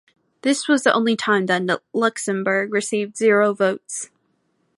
This was the only time that Luxembourg received zero votes.